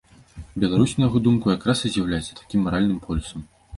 Беларусь, на яго думку, якраз і з'яўляецца такім маральным полюсам.